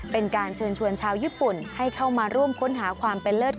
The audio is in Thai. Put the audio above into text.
เป็นการเชิญชวนชาวญี่ปุ่นให้เข้ามาร่วมค้นหาความเป็นเลิศ